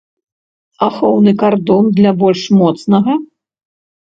Ахоўны кардон для больш моцнага?